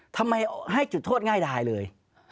ทำไมให้จุดโทษง่ายดายเลย